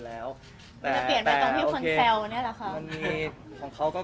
ไม่ว่าจะยังไงก็ตาม